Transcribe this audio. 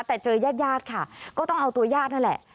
แต่เจอยาดค่ะก็ต้องเอาตัวญาตินั่นแหละ